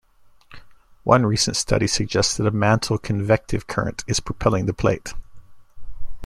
One recent study suggests that a mantle convective current is propelling the plate.